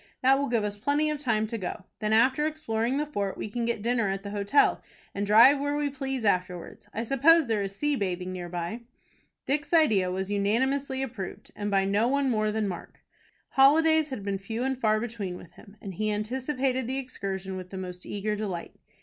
That will give us plenty of time to go. Then, after exploring the fort, we can get dinner at the hotel, and drive where we please afterwards. I suppose there is sea bathing near by." Dick's idea was unanimously approved, and by no one more than by Mark. Holidays had been few and far between with him, and he anticipated the excursion with the most eager delight.